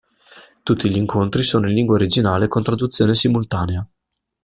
Tutti gli incontri sono in lingua originale con traduzione simultanea.